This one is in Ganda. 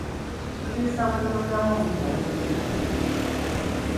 Minisita w'ebyobulamu omuggya alondeddwa.